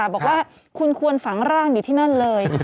บอกว่าคุณควรฝังร่างอยู่ที่นั่นเลย